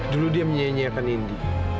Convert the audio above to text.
dulu dia menyianyikan indi